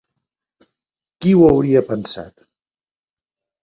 Qui ho hauria pensat?